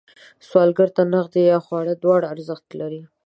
سوالګر ته نغدې یا خواړه دواړه ارزښت لري